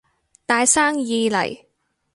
大生意嚟